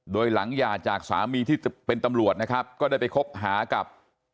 โดยหลังหย่าจากสามีที่เป็นตำรวจนะครับก็ได้ไปคบหากับ